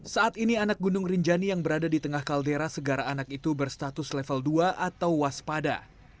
saat ini anak gunung rinjani yang berada di tengah kaldera segara anak itu berstatus level dua atau waspada